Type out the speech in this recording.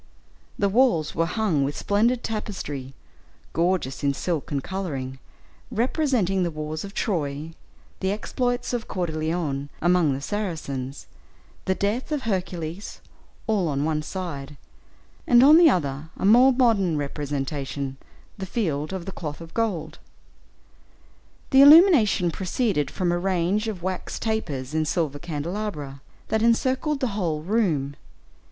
The walls were hung with splendid tapestry, gorgeous in silk and coloring, representing the wars of Troy, the exploits of Coeur de Lion among the Saracens, the death of Hercules, all on one side; and on the other, a more modern representation, the Field of the Cloth of Gold. The illumination proceeded from a range of wax tapers in silver candelabra, that encircled the whole room.